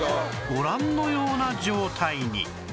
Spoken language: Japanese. ご覧のような状態に